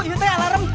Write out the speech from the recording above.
ih teh alarm